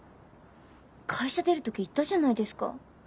会社出る時言ったじゃないですか。